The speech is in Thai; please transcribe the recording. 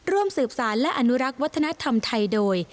ร่วมสืบสารและอนุรักษ์วัฒนธรรมไทยโดย